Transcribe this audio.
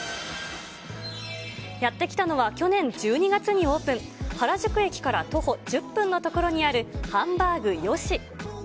やって来たのは、去年１２月にオープン、原宿駅から徒歩１０分の所にあるハンバーグ嘉。